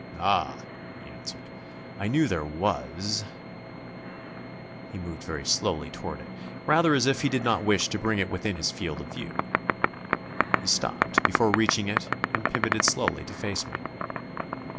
"Ah!" he answered, "I knew there was...." He moved very slowly toward it, rather as if he did not wish to bring it within his field of view. He stopped before reaching it and pivotted slowly to face me.